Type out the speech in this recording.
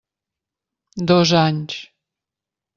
Dos anys.